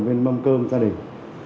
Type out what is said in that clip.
về mâm cơm gia đình